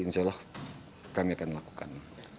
insya allah kami akan lakukan